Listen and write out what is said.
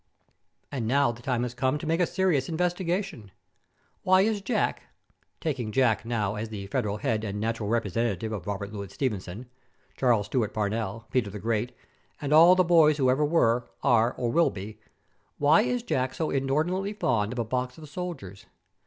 And now the time has come to make a serious investigation. Why is Jack taking Jack now as the federal head and natural representative of Robert Louis Stevenson, Charles Stewart Parnell, Peter the Great, and all the boys who ever were, are, or will be why is Jack so inordinately fond of a box of soldiers?